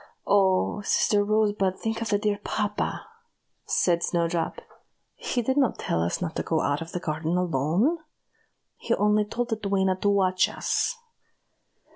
"Oh! sister Rosebud, think of the dear papa!" said Snowdrop. "He did not tell us not to go out of the garden alone; he only told the duenna to watch us.